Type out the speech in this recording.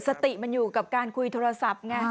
สติมันอยู่กับการคุยโทรศัพท์ไง